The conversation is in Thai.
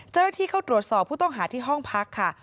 เจ้าหน้าที่เข้าตรวจสอบผู้ต้องหาที่ห้องพักค่ะ